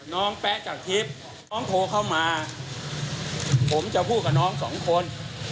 แป๊ะจากทิพย์น้องโทรเข้ามาผมจะพูดกับน้องสองคน